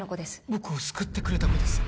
僕を救ってくれた子です